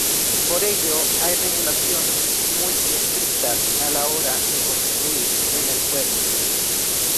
Por ello, hay regulaciones muy estrictas a la hora de construir en el pueblo.